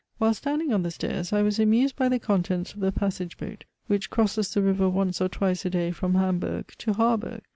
While standing on the stairs, I was amused by the contents of the passage boat which crosses the river once or twice a day from Hamburg to Haarburg.